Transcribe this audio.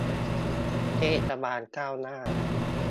เทศบาลก้าวหน้า